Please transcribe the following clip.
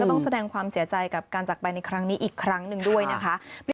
ต้องแสดงความเสียใจกับการจักรไปในครั้งนี้อีกครั้งหนึ่งด้วยนะคะ